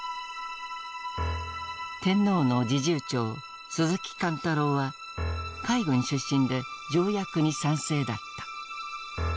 天皇の侍従長鈴木貫太郎は海軍出身で条約に賛成だった。